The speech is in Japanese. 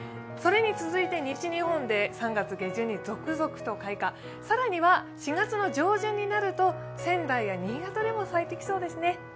それに続いて西日本で３月下旬に続々と開花、更には４月上旬になると仙台や新潟でも咲いてきそうですね。